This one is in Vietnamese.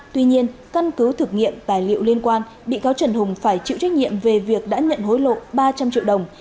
tuy nhiên căn cứ thực nghiệm tài liệu liên quan bị cáo trần hùng phải chịu trách nhiệm về việc đã nhận hối lộ ba trăm linh triệu đồng